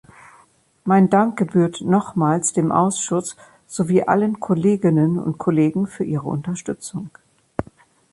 Mein Dank gebührt nochmals dem Ausschuss sowie allen Kolleginnen und Kollegen für ihre Unterstützung.